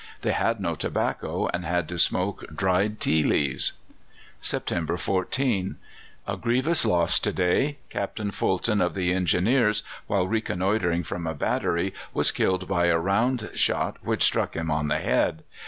They had no tobacco, and had to smoke dried tea leaves. "September 14. A grievous loss to day: Captain Fulton, of the Engineers, while reconnoitring from a battery, was killed by a round shot which struck him on the head.